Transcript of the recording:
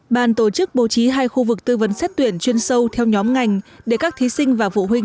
bàn tổ chức bố trí hai khu vực tư vấn xét tuyển chuyên sâu theo nhóm ngành để các thí sinh và phụ huynh